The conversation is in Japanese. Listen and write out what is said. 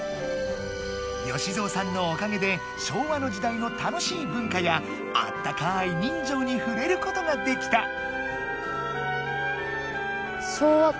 よしぞうさんのおかげで昭和の時代の楽しい文かやあったかい人じょうにふれることができた。